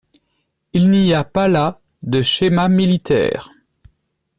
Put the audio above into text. Il n’y a pas là de schéma militaire.